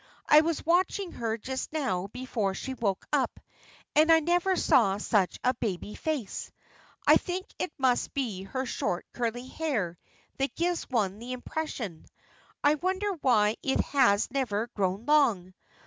"I was watching her just now before she woke up, and I never saw such a baby face. I think it must be her short, curly hair that gives one the impression. I wonder why it has never grown long?